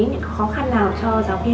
những khó khăn nào cho giáo viên ạ